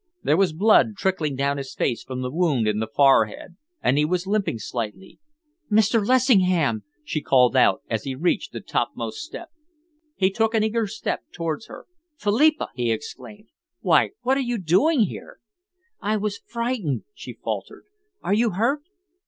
There was blood trickling down his face from the wound in the forehead, and he was limping slightly. "Mr. Lessingham!" she called out, as he reached the topmost step. He took an eager step towards her. "Philippa!" he exclaimed. "Why, what are you doing here?" "I was frightened," she faltered. "Are you hurt?"